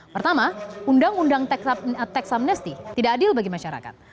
pertama undang undang tax amnesty tidak adil bagi masyarakat